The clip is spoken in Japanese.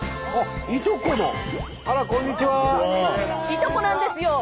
いとこなんですよ！